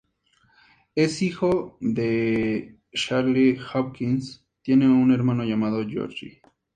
Es hijo de Charlie Hawkins, tiene un hermano llamado George.